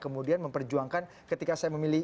kemudian memperjuangkan ketika saya memilih